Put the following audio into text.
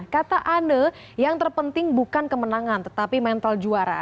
kata anne yang terpenting bukan kemenangan tetapi mental juara